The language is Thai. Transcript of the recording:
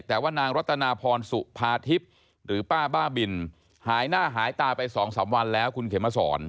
แต่ว่านางรัตนาพรสุภาทิพย์หรือป้าบ้าบินหายหน้าหายตาไปสองสามวันแล้วคุณเขมสอน